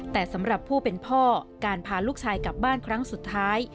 แต่สำหรับผู้เป็นพ่อการพาลูกชายกลับบ้านครั้งสุดท้าย